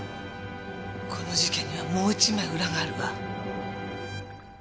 この事件にはもう一枚裏があるわ。